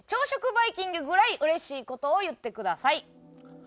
バイキングぐらいうれしい事を言ってください。